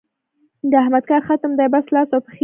د احمد کار ختم دی؛ بس لاس او پښې وهي.